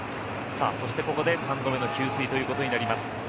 そして、ここで三度目の給水ということになります。